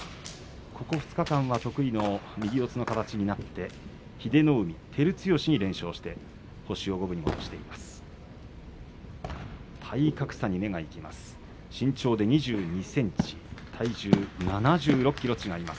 ここ２日間は得意の右四つの形になって英乃海、照強に連勝して星を五分に戻しています。